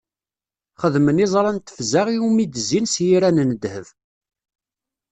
Xedmen iẓra n tefza iwumi i d-zzin s yiran n ddheb.